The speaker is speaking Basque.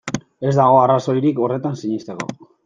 Ez dago arrazoirik horretan sinesteko.